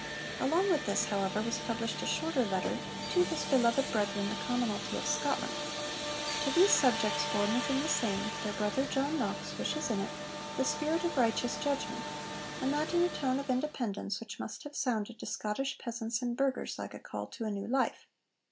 Along with this, however, was published a shorter letter 'To his Beloved Brethren the Commonalty of Scotland.' To these subjects born within the same, their brother John Knox wishes in it 'the spirit of righteous judgment;' and that in a tone of independence which must have sounded to Scottish peasants and burghers like a call to a new life.